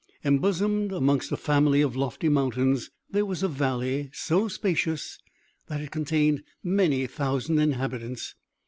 Embosomed amongst a family of lofty mountains, there was a valley so spacious that It contained many thousand inhabitants.